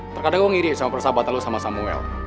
terkadang lo ngiri sama persahabatan lo sama samuel